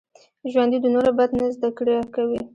ژوندي د نورو بد نه زده کړه کوي